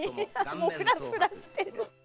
もうフラフラしてる。